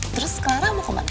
terus clara mau kemana